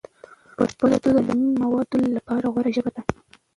پښتو د تعلیمي موادو لپاره غوره ژبه ده.